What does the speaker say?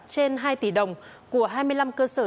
trên hai tỷ đồng của hai mươi năm cơ sở